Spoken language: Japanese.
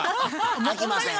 できません。